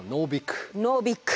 ノービク。